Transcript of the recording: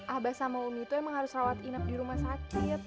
abah sama umi itu emang harus rawat inap di rumah sakit